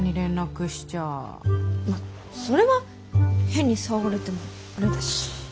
それは変に騒がれてもあれだし。